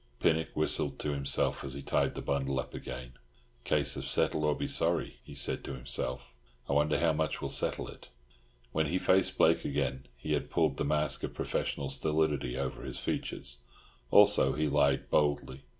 Pinnock whistled to himself as he tied the bundle up again. "Case of settle or be sorry," he said to himself. "I wonder how much will settle it?" When he faced Blake again, he had pulled the mask of professional stolidity over his features; also he lied boldly.